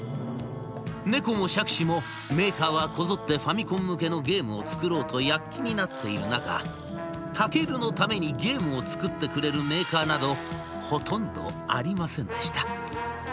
猫も杓子もメーカーはこぞってファミコン向けのゲームを作ろうと躍起になっている中ＴＡＫＥＲＵのためにゲームを作ってくれるメーカーなどほとんどありませんでした。